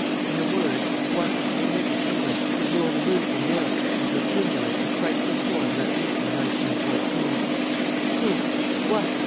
In a word, what has permitted England to rule the roost in Europe and to accumulate the frightful storm let loose in 1914? Who? What?